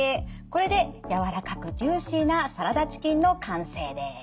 これで柔らかくジューシーなサラダチキンの完成です。